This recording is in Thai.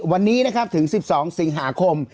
วันนี้นะครับถึง๑๒สิงหาคม